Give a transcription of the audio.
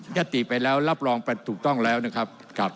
ติไปแล้วรับรองถูกต้องแล้วนะครับ